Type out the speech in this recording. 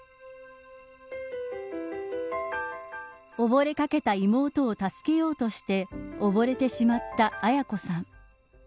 溺れかけた妹を助けようとして溺れてしまった絢子さん。